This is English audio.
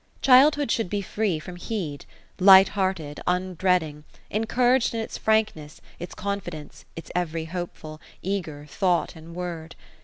Childhood should be free from heed ; light hearted, undreading ; encouraged in its frankness, its confidence, its every hope ful, eager, thought and word.